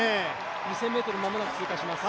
２０００ｍ間もなく通過します。